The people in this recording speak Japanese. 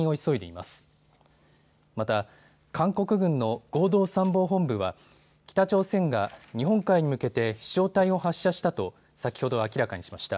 また韓国軍の合同参謀本部は北朝鮮が日本海に向けて飛しょう体を発射したと先ほど明らかにしました。